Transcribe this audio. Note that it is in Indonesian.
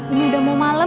ini udah mau malam